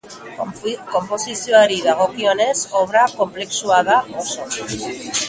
Konposizioari dagokionez, obra konplexua da oso.